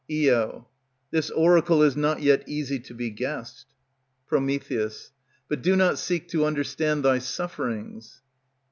Io. This oracle is not yet easy to be guessed. Pr. But do not seek to understand thy sufferings.